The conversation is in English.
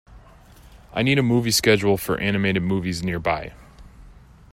I need a movie schedule for animated movies nearby